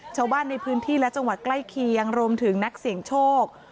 ชาวบ้านในพื้นที่และจังหวัดใกล้เคียงรวมถึงนักเสี่ยงโชค